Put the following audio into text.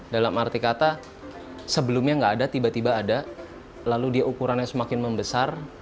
dalam arti kata sebelumnya nggak ada tiba tiba ada lalu dia ukurannya semakin membesar